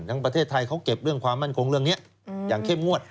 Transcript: ประเทศไทยเขาเก็บเรื่องความมั่นคงเรื่องนี้อย่างเข้มงวด